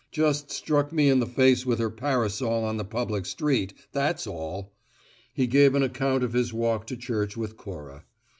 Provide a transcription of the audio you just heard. Just struck me in the face with her parasol on the public street, that's all!" He gave an account of his walk to church with Cora.